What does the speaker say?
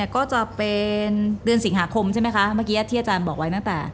ก็จะเป็นเดือนสิงหาคมใช่ไหมคะเมื่อกี้ที่อาจารย์บอกไว้ตั้งแต่